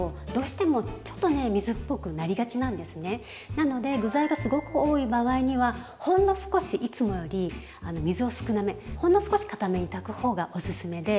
なので具材がすごく多い場合にはほんの少しいつもより水を少なめほんの少しかために炊く方がおすすめで。